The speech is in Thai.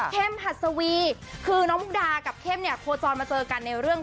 เคมหัสวีคือน้องมุกดากับเคมเนี่ยโฟร์จอนมาเจอกันในเรื่อง